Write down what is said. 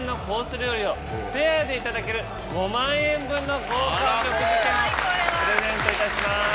料理をペアでいただける５万円分の豪華お食事券をプレゼントいたします。